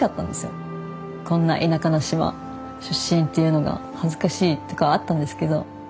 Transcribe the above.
こんな田舎の島出身って言うのが恥ずかしいとかあったんですけど